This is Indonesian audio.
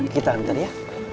kita hantar ya